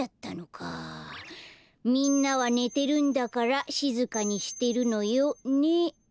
「みんなはねてるんだからしずかにしてるのよ」ね。